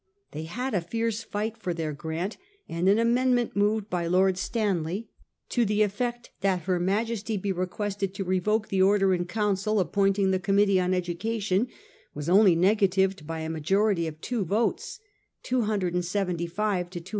They had a fierce fight for their grant, and an amendment moved by Lord Stanley, to the effect that her Majesty be requested to revoke the Order in Council appointing the Committee on Education, was only negatived by a majority of two votes — 275 to 273.